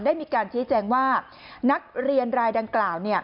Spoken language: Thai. ได้มีการชี้แจงว่านักเรียนรายดังกล่าว